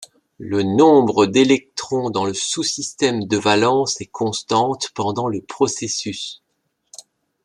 Le nombre d'électrons dans le sous-système de valence est constante pendant le processus.